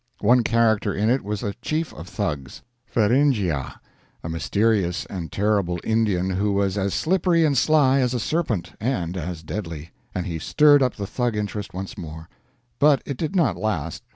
One character in it was a chief of Thugs "Feringhea" a mysterious and terrible Indian who was as slippery and sly as a serpent, and as deadly; and he stirred up the Thug interest once more. But it did not last.